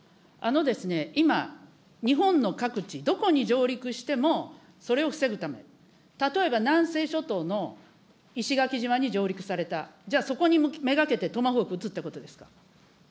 今、日本の各地、どこに上陸してもそれを防ぐため、例えば南西諸島の石垣島に上陸された、じゃあ、そこに目がけてトマホーク、撃つってことですか。